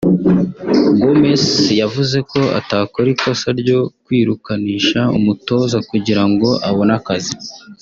Gomes yavuze ko atakora ikosa ryo kwirukanisha umutoza kugira ngo abone akazi